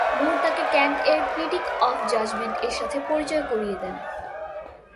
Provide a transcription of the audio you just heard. মুর তাকে ক্যান্ট এর "critique of judgment" এর সাথে পরিচয় করিয়ে দেন।